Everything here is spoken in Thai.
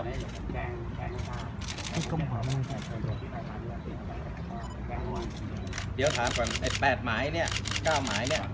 แล้วถามก่อน๘หมายเนี่ย๙หมายเนี่ย